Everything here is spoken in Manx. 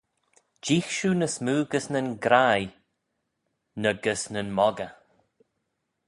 Jeeagh shiu ny smoo gys nyn graih na gys nyn moggey.